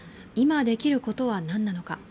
今できることは何なのか。